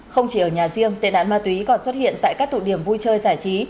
không chỉ ở nhà riêng tệ nạn ma túy còn xuất hiện tại các tụ điểm vui chơi giải trí